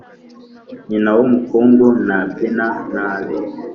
Nyina w’umukungu ntabyina nabi.